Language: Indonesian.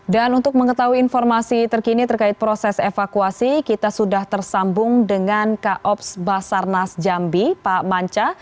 dan untuk mengetahui informasi terkini terkait proses evakuasi kita sudah tersambung dengan kops basarnas jambi pak manca